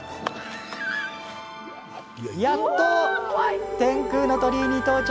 やっと天空の鳥居に到着。